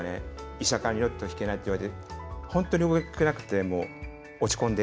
医者から二度と弾けないって言われて本当に動けなくてもう落ち込んで。